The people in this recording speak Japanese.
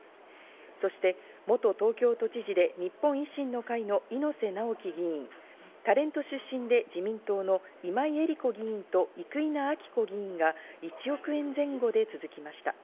そして元東京都知事で日本維新の会の猪瀬直樹議員、タレント出身で自民党の今井絵理子議員と生稲晃子議員が１億円前後で続きました。